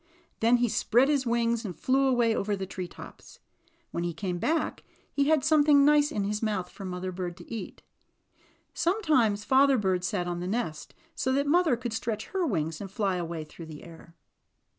Then he spread his wings and flew away over ;fche tree tops. When he came back he had something nice in his mouth for Mother Bird to eat. Sometimes Father Bird sat in the nest so that Mother could stretch her wings and fly away through the air.